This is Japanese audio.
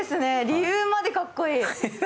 理由までかっこいい。